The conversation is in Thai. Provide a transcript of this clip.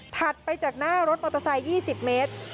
ถัดไปจากหน้ารถมอเตอร์ไซค์๒๐เมตร